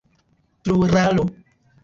pluralo